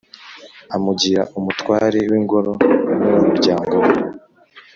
amugira umutware w’Ingoro, n’uw’umuryango we,